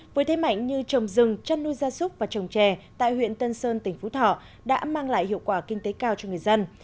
với thế mạnh như trồng rừng chăn nuôi gia súc và trồng trè tại huyện tân sơn tỉnh phú thọ đã mang lại hiệu quả kinh tế cao cho người dân